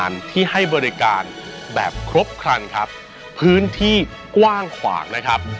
นี่ครบขาบตามมาอยู่รอครับ